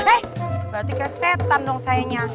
eh berarti kayak setan dong sayanya